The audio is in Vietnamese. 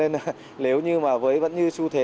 nếu như mà với vấn như xu thế